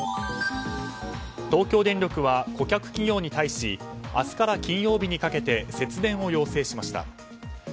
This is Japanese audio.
東京電力は顧客企業に対し明日から金曜日にかけて節電を要請しました。